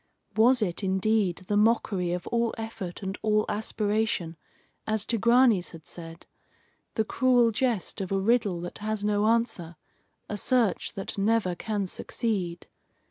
Was it, indeed, the mockery of all effort and all aspiration, as Tigranes had said the cruel jest of a riddle that has no answer, a search that never can succeed?